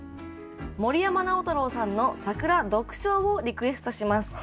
「森山直太朗さんの『さくら』をリクエストします。